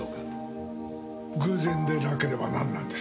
偶然でなければ何なんです？